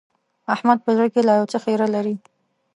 احمد په زړه کې لا يو څه خيره لري.